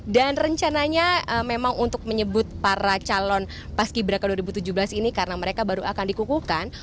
dan rencananya memang untuk menyebut para calon paski braka dua ribu tujuh belas ini karena mereka baru akan dikukulkan